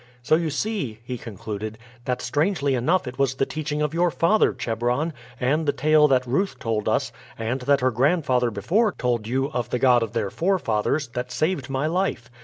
"So you see," he concluded, "that strangely enough it was the teaching of your father, Chebron, and the tale that Ruth told us, and that her grandfather before told you, of the God of their forefathers, that saved my life.